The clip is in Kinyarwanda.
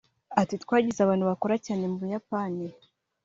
Ati “Twagize abantu bakora cyane mu Buyapani